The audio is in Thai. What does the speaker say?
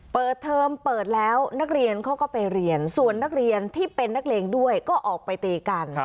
เปิดเทอมเปิดแล้วนักเรียนเขาก็ไปเรียนส่วนนักเรียนที่เป็นนักเลงด้วยก็ออกไปตีกัน